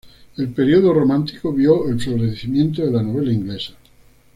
El periodo romántico vio el florecimiento de la novela inglesa.